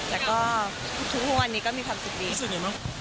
แต่คือวันนี้มีความสุขดีค่ะ